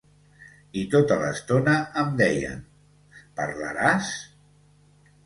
I tota l’estona em deien: Parlaràs?